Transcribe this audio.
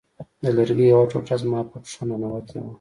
د لرګي یوه ټوټه زما په پښه ننوتې وه